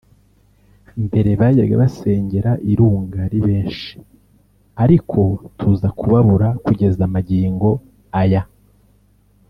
Mbere bajyaga basengera i Runga ari benshi ariko tuza kubabura kugeza magingo aya